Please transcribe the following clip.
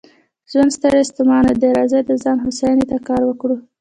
ژوند ستړی ستومانه دی، راځئ د ځان هوساینې ته کار وکړو.